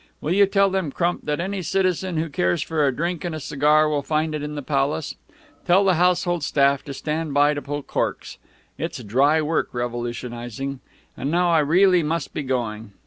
Will you tell them, Crump, that any citizen who cares for a drink and a cigar will find it in the Palace. Tell the household staff to stand by to pull corks. It's dry work revolutionizing. And now I really must be going.